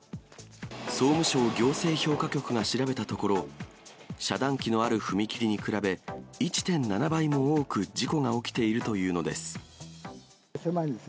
総務省・行政評価局が調べたところ、遮断機のある踏切に比べ、１．７倍も多く事故が起きているというのです。